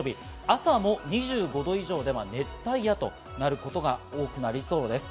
朝も２５度以上の熱帯夜となることが多くなりそうです。